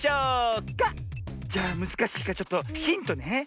じゃあむずかしいからちょっとヒントね。